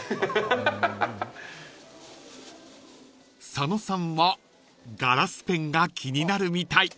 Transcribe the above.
［佐野さんはガラスペンが気になるみたい］